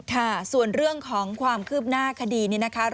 ค่ะส่วนเรื่องของความคืบหน้าคดีนี้นะคะ